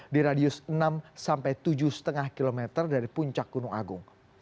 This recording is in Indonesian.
di radius enam sampai tujuh lima km dari puncak gunung agung